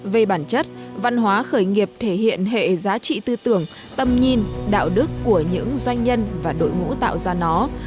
về bản chất văn hóa khởi nghiệp thể hiện hệ giá trị tư tưởng tâm nhìn đạo đức của những doanh nhân và đội ngũ tạo ra nó